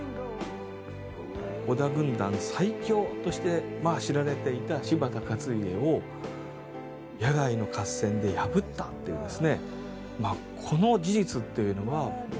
織田軍団最強として知られていた柴田勝家を野外の合戦で破ったというですね。